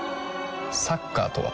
サッカーとは？